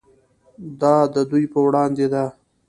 دا د دوی په وړاندې ده.